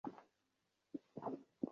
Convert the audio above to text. তুমি এটাকে উল্টোমুখী করতে পারবে না।